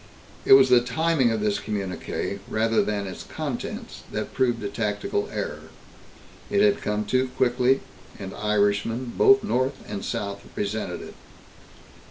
It was the timing of this communiqué, rather than its contents, that proved a tactical error. It had come too quickly, and Irishmen, both north and south, resented it.